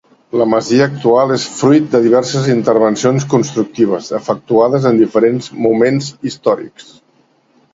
La masia actual és fruit de diverses intervencions constructives, efectuades en diferents moments històrics.